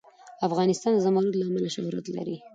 افغانستان د زمرد له امله شهرت لري.